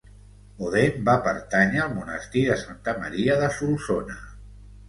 Odèn va pertànyer al monestir de Santa Maria de Solsona.